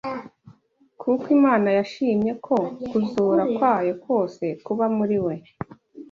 Kuko Imana yashimye ko kuzura kwayo kose kuba muri we